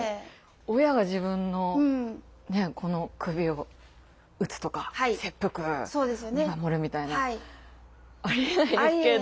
親が自分の子の首を討つとか切腹見守るみたいなありえないですけど。